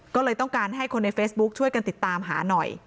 ก็เลยต้องการให้คนในเฟซบุ๊คช่วยกันติดตามหาหน่อย